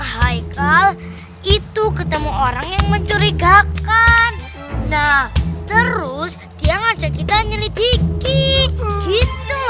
hai kal itu ketemu orang yang mencurigakan nah terus dia ngajak kita nyelidiki gitu loh